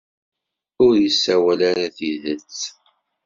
Ur isawal ara tidet.